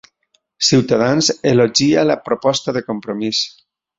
Ciutadans elogia la proposta de Compromís